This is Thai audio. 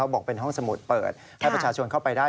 บอกเป็นห้องสมุดเปิดให้ประชาชนเข้าไปได้